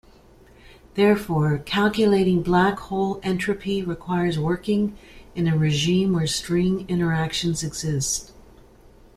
Therefore, calculating black hole entropy requires working in a regime where string interactions exist.